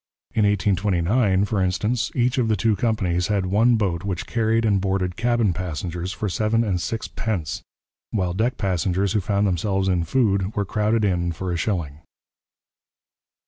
In 1829, for instance, each of the two companies had one boat which carried and boarded cabin passengers for seven and six pence, while deck passengers who found themselves in food were crowded in for a shilling.